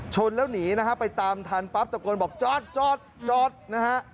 ชนแล้วหนีนะฮะไปตามทันปั๊บตะโกนบอกจอดจอดจอดนะฮะ